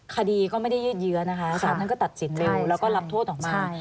คดีก็ไม่ได้ยืดเยื้อนะคะสารท่านก็ตัดสินเร็วแล้วก็รับโทษออกมา